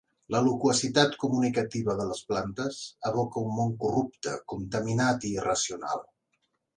La loquacitat comunicativa de les plantes evoca un món corrupte, contaminat i irracional.